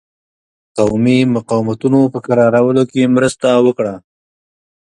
قومي مقاومتونو په کرارولو کې مرسته وکړه.